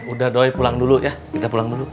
udah doy pulang dulu ya kita pulang dulu